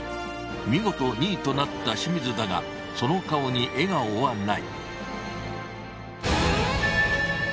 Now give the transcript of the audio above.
見事２位となった清水だがその顔に笑顔はない。